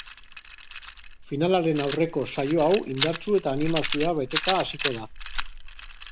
Finalaren aurreko saio hau indartsu eta animazioa beteta hasiko da.